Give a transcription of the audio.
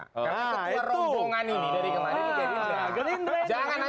ketua rombongan ini dari kemarin itu gerindra